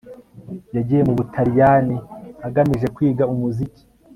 Yagiye mu Butaliyani agamije kwiga umuziki